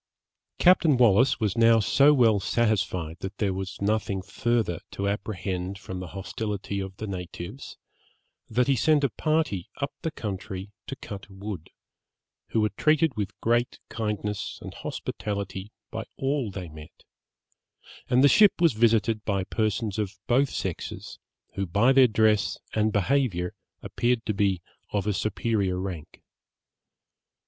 Captain Wallis was now so well satisfied that there was nothing further to apprehend from the hostility of the natives, that he sent a party up the country to cut wood, who were treated with great kindness and hospitality by all they met, and the ship was visited by persons of both sexes, who by their dress and behaviour appeared to be of a superior rank.